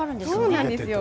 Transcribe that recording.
そうなんですよ